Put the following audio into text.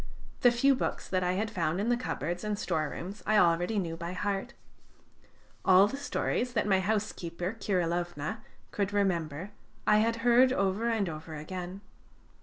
The few books that I had found in the cupboards and storerooms I already knew by heart. All the stories that my housekeeper Kirilovna could remember I had heard over and over again.